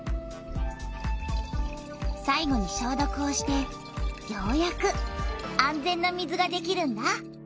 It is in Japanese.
さいごにしょうどくをしてようやく安全な水ができるんだ。